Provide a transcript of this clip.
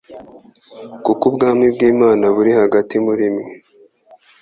kuko ubwami bw'Imana buri hagati muri mwe.»